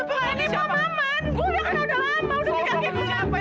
kau kenal siapa ini siapa